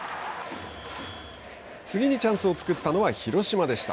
次にチャンスを作ったのは広島でした。